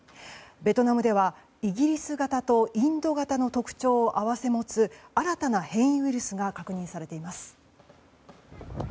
ベトナムでは、イギリス型とインド型の特徴を併せ持つ新たな変異ウイルスが確認されています。